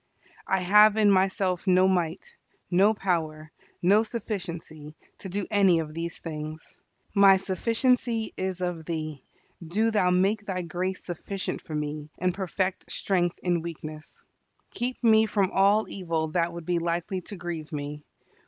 I have in myself no might, no power, no sufficiency, to do any of these things. My sufficiency is of Thee. Do Thou make Thy grace sufficient for me, and perfect strength in weakness. Keep me from all evil that would be likely to grieve me.